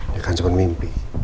ya kan cuman mimpi